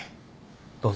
どうぞ。